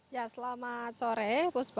ya selamat sore puspa